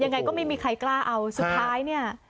ยังไงก็ไม่มีใครกล้าเอาสุดท้ายเนี่ย